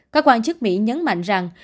các quan chức mỹ nhấn mạnh rằng